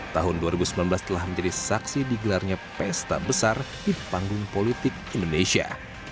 tahun dua ribu sembilan belas telah menjadi saksi digelarnya pesta besar di panggung politik indonesia